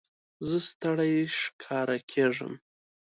زه ستړی ښکاره کېږم.